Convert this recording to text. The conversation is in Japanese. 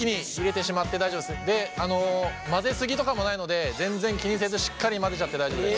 混ぜ過ぎとかもないので全然気にせずしっかり混ぜちゃって大丈夫です。